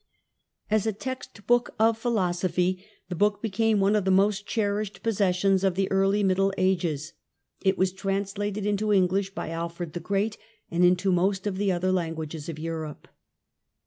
As a text book of philosophy the book became one of the most cherished possessions of the early Middle Ages ; it was translated into English by Alfred the Great and into most of the other languages of Europe.